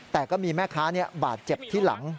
แต่ก็มีแม่ค้าบาดเจ็บที่หลัง